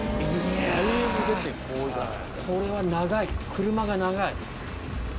いやー、これは長い、車が長い。